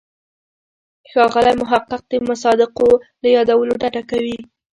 ښاغلی محق د مصادقو له یادولو ډډه کوي.